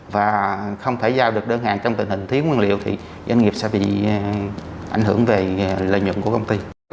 và không thể giao được đơn hàng trong tình hình thiếu nguyên liệu thì doanh nghiệp sẽ bị ảnh hưởng về lợi nhuận của công ty